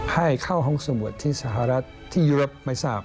ให้เข้าห้องสมุดที่สหรัฐที่ยุโรปไม่ทราบ